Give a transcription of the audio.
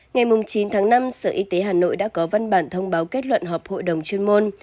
ngày chín tháng năm sở y tế hà nội đã có văn bản thông báo kết luận họp hội đồng chuyên môn